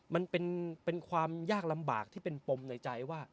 มันเป็นความยากลำบากที่เป็นปมในใจว่า